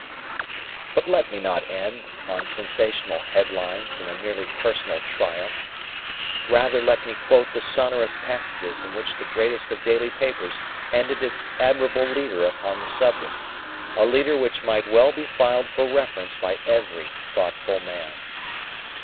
But let me not end on sensational headlines and a merely personal triumph. Rather let me quote the sonorous passages in which the greatest of daily papers ended its admirable leader upon the subject a leader which might well be filed for reference by every thoughtful man.